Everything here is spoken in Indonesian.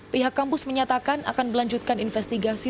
pihak kampus menyatakan akan melanjutkan investigasi